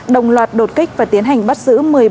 đồng loạt đột kích và tiến hành bắt giữ